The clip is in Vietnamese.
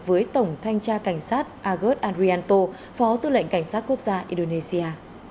với tổng thanh tra cảnh sát agus andrianto phó tư lệnh cảnh sát quốc gia indonesia